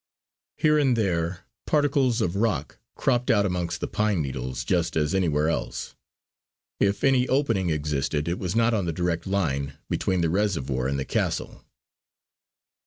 Here and there particles of rock cropped out amongst the pine needles just as anywhere else. If any opening existed it was not on the direct line between the reservoir and the castle.